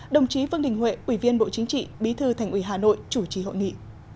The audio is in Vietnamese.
đồng chí vương đình huệ ủy viên bộ chính trị bí thư thành ủy hà nội chủ trì hội nghị